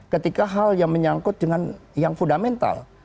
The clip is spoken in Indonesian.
ketika hal yang menyangkut dengan yang fundamental